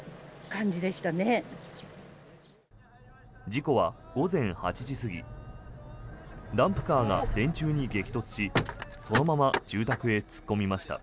事故は午前８時過ぎダンプカーが電柱に激突しそのまま住宅へ突っ込みました。